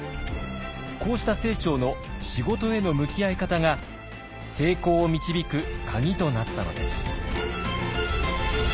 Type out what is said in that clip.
こうした清張の仕事への向き合い方が成功を導く鍵となったのです。